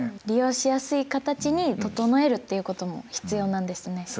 利用しやすい形に整えるっていうことも必要なんですね。